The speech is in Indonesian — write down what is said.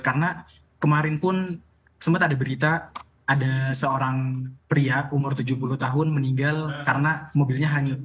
karena kemarin pun sempat ada berita ada seorang pria umur tujuh puluh tahun meninggal karena mobilnya hangi